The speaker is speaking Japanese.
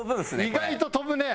意外と飛ぶね。